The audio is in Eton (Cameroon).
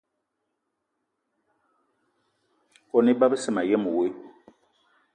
Kone iba besse mayen woe.